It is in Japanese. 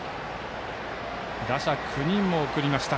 打者９人を送りました